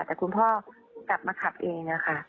แต่คุณพ่อกลับมาขับเองนะคะ